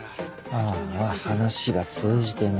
ああ話が通じてねえ。